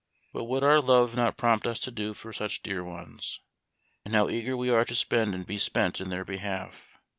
What would our love not prompt us to do for such dear ones ! And how eager we are to spend and be spent in their behalf!